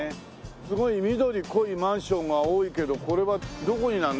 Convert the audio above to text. すごい緑濃いマンションが多いけどこれはどこになるの？